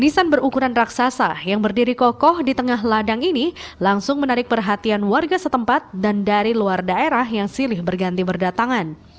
desain berukuran raksasa yang berdiri kokoh di tengah ladang ini langsung menarik perhatian warga setempat dan dari luar daerah yang silih berganti berdatangan